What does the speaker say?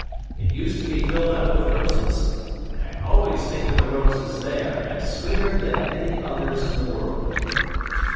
It used to be filled up with roses, and I always think of the roses there as sweeter than any others in the world."